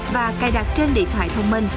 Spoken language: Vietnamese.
và cài đặt trên điện thoại thông minh